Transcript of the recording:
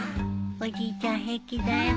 おじいちゃん平気だよ。